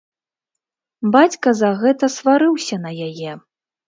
Бацька за гэта сварыўся на яе.